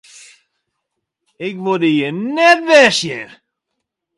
Ik wol dy hjir net wer sjen!